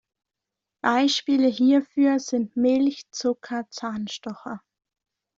Beispiele hierfür sind Milch, Zucker, Zahnstocher.